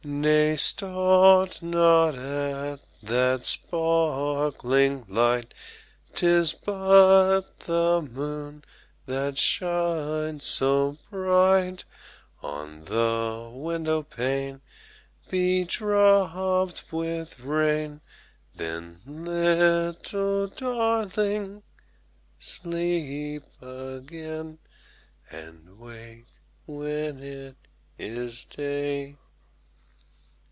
10 Nay! start not at that sparkling light; 'Tis but the moon that shines so bright On the window pane bedropped with rain: Then, little Darling! sleep again, And wake when it is day.